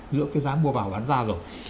giữa cái giá mua vào bán ra rồi